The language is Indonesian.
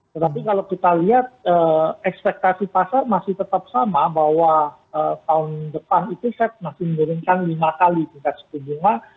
tetapi kalau kita lihat ekspektasi pasar masih tetap sama bahwa tahun depan itu fed masih menurunkan lima kali tingkat suku bunga